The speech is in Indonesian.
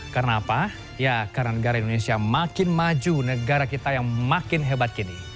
karena apa ya karena negara indonesia makin maju negara kita yang makin hebat kini